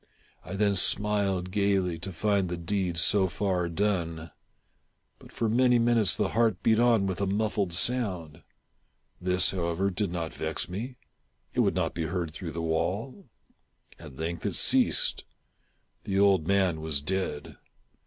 I then smiled gaily, to find the deed so far done. But, for THE TELL TALE HEART. 573 many minutes, the heart beat on with a muffled sound. This, however, did not vex me ; it would not be heard through the wall. At length it ceased. The old man was dead.